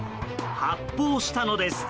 発砲したのです。